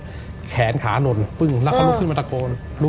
พอนั่นเขาเห็นผู้หญิงพี่มร้าย